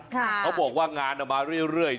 เขาบอกว่างานมาเรื่อย